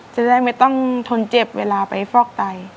จะแล้วไม่ต้องทนเจ็บเวลาไปฟลอกตาย